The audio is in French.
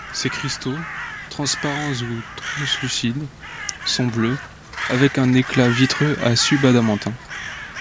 Ces cristaux, transparents ou translucides, sont bleus, avec un éclat vitreux à sub-adamantin.